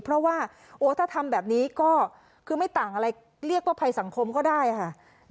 เพราะว่าโอ้ถ้าทำแบบนี้ก็คือไม่ต่างอะไรเรียกว่าภัยสังคมก็ได้ค่ะ